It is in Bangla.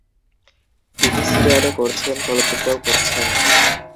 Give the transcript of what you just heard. টিভি সিরিয়ালে করছেন, চলচ্চিত্রেও করছেন।